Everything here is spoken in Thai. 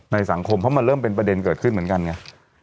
สังคมเพราะมันเริ่มเป็นประเด็นเกิดขึ้นเหมือนกันไง